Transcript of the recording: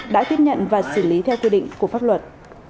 đã tiếp nhận và xử lý theo quy định của pháp luật